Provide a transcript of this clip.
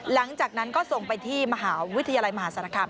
หลังจากนั้นก็ส่งไปที่มหาวิทยาลัยมหาศาลคาม